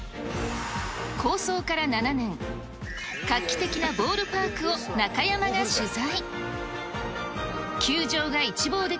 構想から７年、画期的なボールパークを中山が取材。